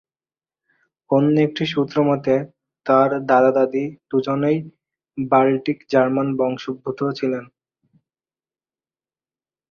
অন্য একটি সূত্র মতে তার দাদা-দাদী দুজনেই বাল্টিক জার্মান বংশোদ্ভূত ছিলেন।